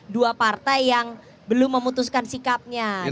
dua partai yang belum memutuskan sikapnya dari kib